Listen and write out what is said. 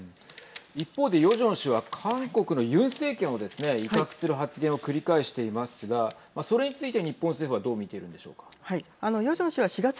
一方でヨジョン氏は韓国のユン政権をですね威嚇する発言を繰り返していますがそれについて、日本政府はどう見ているんでしょうか。